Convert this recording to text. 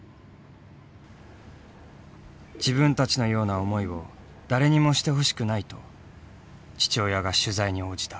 自分たちのような思いを誰にもしてほしくないと父親が取材に応じた。